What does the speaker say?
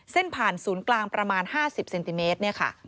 เส้นผ่านศูนย์กลางประมาณ๕๐เซนติเมตรเนี่ยค่ะ